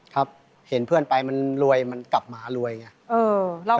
ครับเห็นเพื่อนไปมันรวยมันกลับมารวยไง